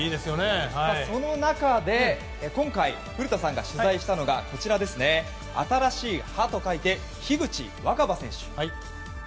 その中で今回、古田さんが取材したのが「新しい葉」と書いて樋口新葉選手。